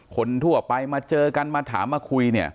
คนทั่วไปมาเจอกันมาถามมาคุยเนี่ย